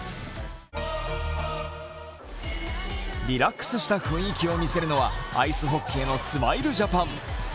リラックスした雰囲気を見せるのはアイスホッケーのスマイルジャパン。